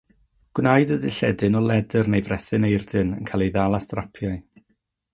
Gwnaed y dilledyn o ledr neu frethyn aerdyn, yn cael ei ddal â strapiau.